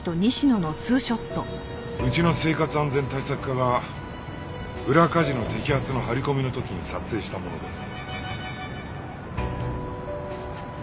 うちの生活安全対策課が裏カジノ摘発の張り込みの時に撮影したものです。